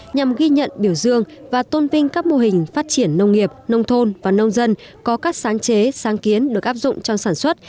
nhằm ghi nhận biểu dương và tôn vinh các mô hình phát triển nông nghiệp nông thôn và nông dân có các sáng chế sáng kiến được áp dụng trong sản xuất